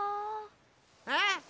えっ？